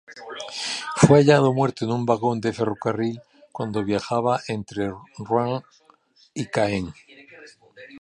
Fue hallado muerto en un vagón de ferrocarril cuando viajaba entre Ruan y Caen.